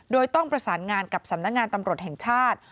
โดยต้องประสานงานกับสำนักงานตำรวจแห่งชาติ